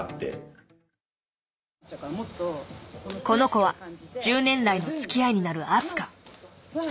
この子は１０年来のつきあいになるＡｓｕｋａ。